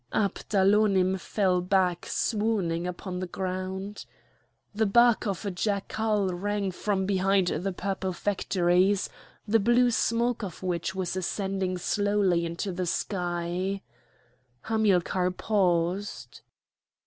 Abdalonim fell back swooning upon the ground. The bark of a jackal rang from behind the purple factories, the blue smoke of which was ascending slowly into the sky; Hamilcar paused.